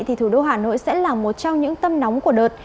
thì thủ đô hà nội sẽ là một trong những tâm nóng của đợt